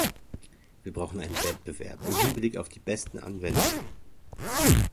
Wir brauchen einen Wettbewerb im Hinblick auf die besten Anwendungen.